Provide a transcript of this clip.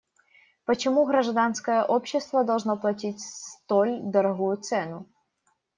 Почему гражданское общество должно платить столь дорогую цену?